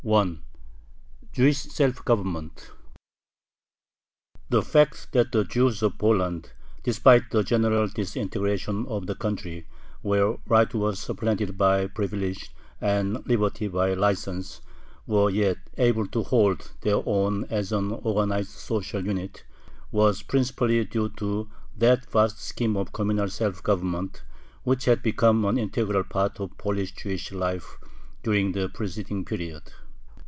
JEWISH SELF GOVERNMENT The fact that the Jews of Poland, despite the general disintegration of the country, where right was supplanted by privilege and liberty by license, were yet able to hold their own as an organized social unit, was principally due to that vast scheme of communal self government which had become an integral part of Polish Jewish life during the preceding period.